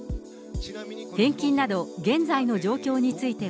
返金など現在の状況については。